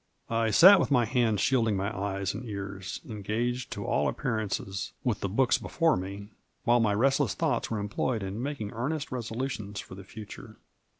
I sat with my hands shielding my eyes and ears^ en gaged to all appearance with the books before me^ while my restless thoughts were employed in making earnest resolutions for the future.